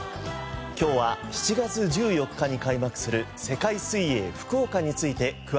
今日は７月１４日に開幕する世界水泳福岡について詳しくお伝えします。